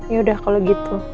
yaudah kalau gitu